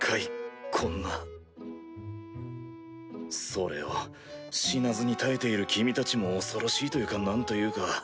それを死なずに耐えている君たちも恐ろしいというか何というか。